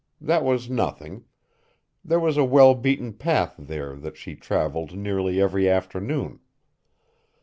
That was nothing. There was a well beaten path there that she traveled nearly every afternoon.